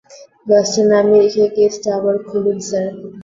গ্লাসটা নামিয়ে রেখে কেসটা আবার খুলুন, স্যার।